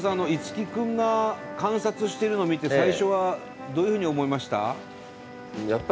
樹くんが観察してるの見て最初はどういうふうに思いました？